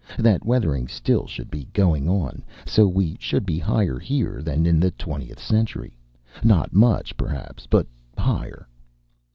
That weathering still should be going on. So we should be higher here than in the twentieth century not much, perhaps, but higher."